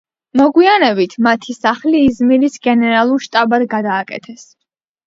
მოგვიანებით, მათი სახლი იზმირის გენერალურ შტაბად გადააკეთეს.